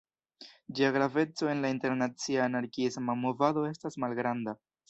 Ĝia graveco en la internacia anarkiisma movado estas malgranda.